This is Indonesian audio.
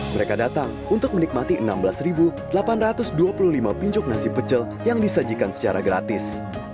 mereka datang untuk menikmati enam belas delapan ratus dua puluh lima pincuk nasi pecel yang disajikan secara gratis